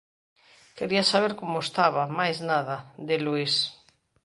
Quería saber como estaba, máis nada –di Luís–.